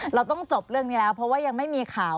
เราต้องจบเรื่องนี้แล้วเพราะว่ายังไม่มีข่าว